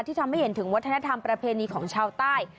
ทำให้เห็นถึงวัฒนธรรมประเพณีของชาวใต้